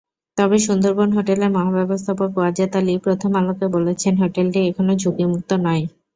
তবে সুন্দরবন হোটেলের মহাব্যবস্থাপক ওয়াজেদ আলী প্রথম আলোকে বলেছেন, হোটেলটি এখনো ঝুঁকিমুক্ত নয়।